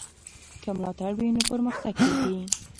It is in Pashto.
که ملاتړ وي نو پرمختګ کېږي.